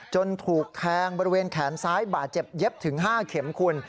ถูกแทงบริเวณแขนซ้ายบาดเจ็บเย็บถึง๕เข็มคุณ